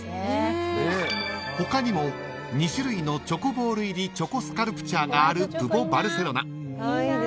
［他にも２種類のチョコボール入りチョコスカルプチャーがあるブボ・バルセロナ］